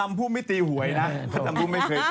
ยังไม่จบเท่านั้น